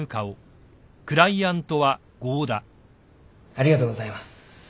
ありがとうございます。